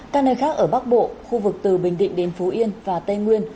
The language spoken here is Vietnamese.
các nơi khác ở bắc bộ khu vực từ bình định đến phú yên và tây nguyên